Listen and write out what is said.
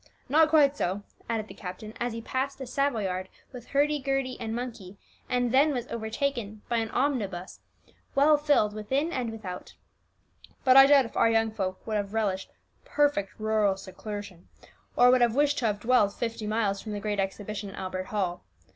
Not quite so," added the captain as he passed a Savoyard with hurdy gurdy and monkey, and then was overtaken by an omnibus well filled within and without; "but I doubt if our young folk would have relished perfect rural seclusion, or would have wished to have dwelt fifty miles from the Great Exhibition and Albert Hall.